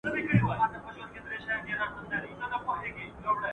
د پاڼې وجود د وخت په تېرېدو خرسن شوی و.